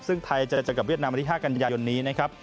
ซึ่งไทยจะเจอกับเวียดนามวันที่๕กันยายนนี้นะครับ